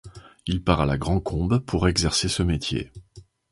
Il part à La Grand-Combe pour exercer ce métier.